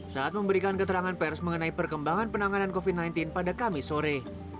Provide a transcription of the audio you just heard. saat memberikan keterangan pers mengenai perkembangan penanganan covid sembilan belas pada kamis sore